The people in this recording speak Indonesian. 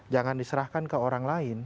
jangan diserahkan ke orang lain